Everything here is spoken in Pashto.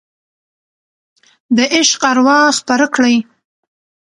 د عشق اروا خپره کړئ